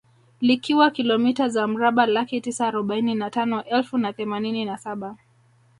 Likiwa kilomita za mraba Laki tisa arobaini na tano elfu na themanini na saba